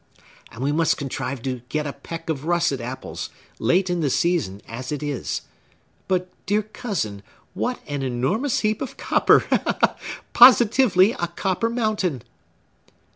And we must contrive to get a peck of russet apples, late in the season as it is. But, dear cousin, what an enormous heap of copper! Positively a copper mountain!"